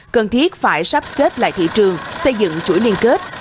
cần thiết phải sắp xếp lại thị trường xây dựng chuỗi liên kết